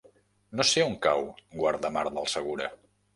No sé on cau Guardamar del Segura.